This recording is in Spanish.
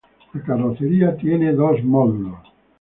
La carrocería tiene dos módulos.